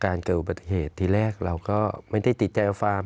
เกิดอุบัติเหตุทีแรกเราก็ไม่ได้ติดใจฟาร์ม